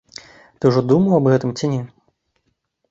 Ты ўжо думаў аб гэтым ці не?